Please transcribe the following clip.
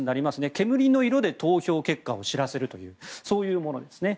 煙の色で投票結果を知らせるというそういうものです。